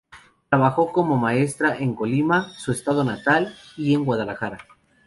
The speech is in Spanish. Trabajó como maestra en Colima, su estado natal, y en Guadalajara.